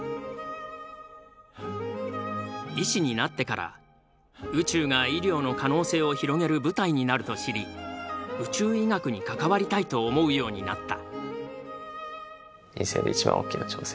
医師になってから宇宙が医療の可能性を広げる舞台になると知り宇宙医学に関わりたいと思うようになった。